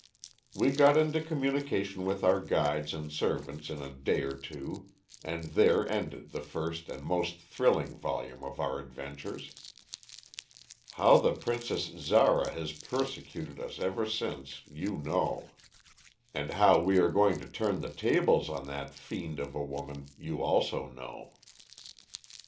"We got into communication with our guides and servants in a day or two, and there ended the first and most thrilling volume of our adventures. How the Princess Zara has persecuted us ever since you know. And how we are going to turn the tables on that fiend of a woman you also know."